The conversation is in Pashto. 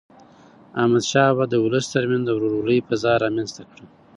احمدشاه بابا د ولس تر منځ د ورورولی فضا رامنځته کړه.